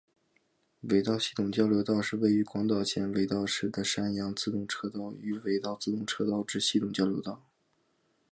尾道系统交流道是位于广岛县尾道市的山阳自动车道与尾道自动车道之系统交流道。